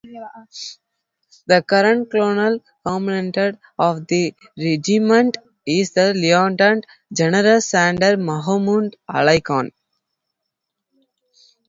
The current Colonel Commandant of the regiment is Lieutenant General Sardar Mahmood Ali Khan.